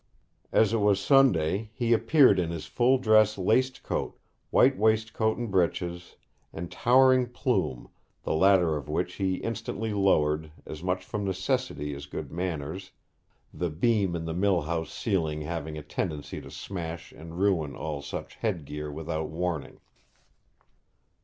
As it was Sunday, he appeared in his full dress laced coat, white waistcoat and breeches, and towering plume, the latter of which he instantly lowered, as much from necessity as good manners, the beam in the mill house ceiling having a tendency to smash and ruin all such head gear without warning.